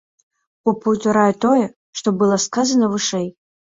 Бо паўтарае тое, што было сказана вышэй.